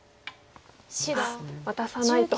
あっ渡さないと。